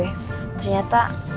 ternyata sekarang dia nggak tahu kemana